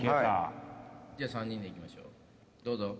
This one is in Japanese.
じゃあ３人でいきましょうどうぞ。